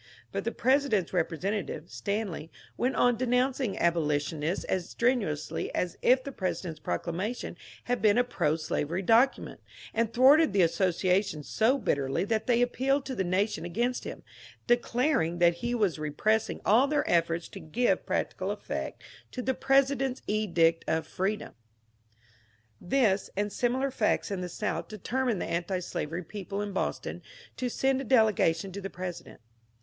But the President's representative, Stanley, went on denouncing abolitionists as strenuously as if the President's proclamation had been a proslavery document, and thwarted the association so bitterly that they appealed to the nation against him, declaring that he was repressing all their efforts to give practical effect to the President's edict of freedom. SERMON BEFORE THE SENATE 377 This and similar facts in the South determined the anti slavery people in Boston to send a delegation to the President.